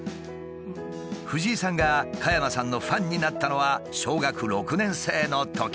藤井さんが加山さんのファンになったのは小学６年生のとき。